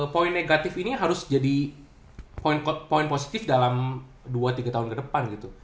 poin negatif ini harus jadi poin positif dalam dua tiga tahun ke depan gitu